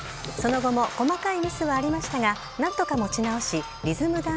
その後も細かいミスはありましたが何とか持ち直しリズム